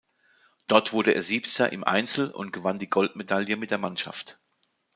Dort wurde er Siebter im Einzel und gewann die Goldmedaille mit der Mannschaft.